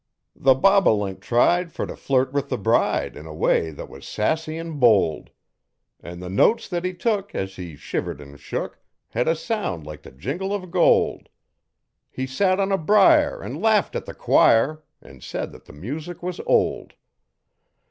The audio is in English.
The bobolink tried fer t' flirt with the bride in a way thet was sassy an' bold. An' the notes that he took as he shivered an' shook Hed a sound like the jingle of gold. He sat on a briar an' laughed at the choir an' said thet the music was old.